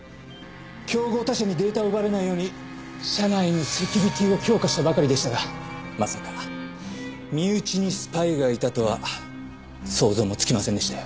競合他社にデータを奪われないように社内のセキュリティーを強化したばかりでしたがまさか身内にスパイがいたとは想像もつきませんでしたよ。